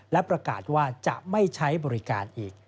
และประกาศว่าจะไม่ใช้บริการอีก